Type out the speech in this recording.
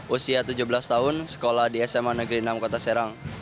usia tujuh belas tahun sekolah di sma negeri enam kota serang